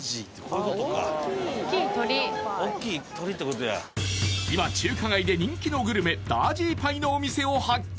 大きい鶏ってことや今中華街で人気のグルメダージーパイのお店を発見